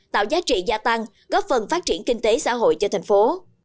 tạo giá trị gia tăng góp phần phát triển kinh tế xã hội cho thành phố